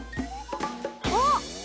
あっ！